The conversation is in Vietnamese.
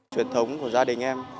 truyền thống của gia đình em